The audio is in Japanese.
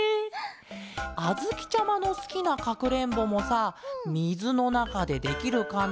あづきちゃまのすきなかくれんぼもさみずのなかでできるかな？